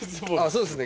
そうですね。